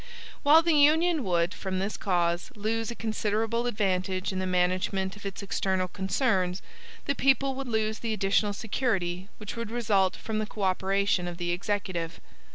While the Union would, from this cause, lose a considerable advantage in the management of its external concerns, the people would lose the additional security which would result from the co operation of the Executive.